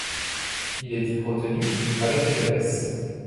Il est retenu avec une laisse.